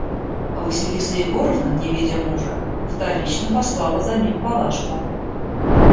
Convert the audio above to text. Василиса Егоровна, не видя мужа, вторично послала за ним Палашку.